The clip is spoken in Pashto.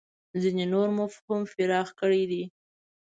ځینې نور مفهوم پراخ کړی دی.